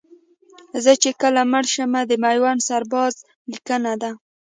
زه چې کله مړ شمه د میوند سرباز لیکنه ده